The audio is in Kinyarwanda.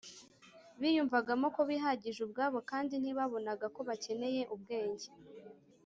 Biyumvagamo ko bihagije ubwabo, kandi ntibabonaga ko bakeneye ubwenge